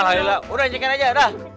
alhamdulillah udah cekin aja udah